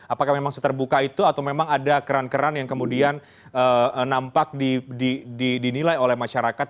apakah memang seterbuka itu atau memang ada keran keran yang kemudian nampak dinilai oleh masyarakat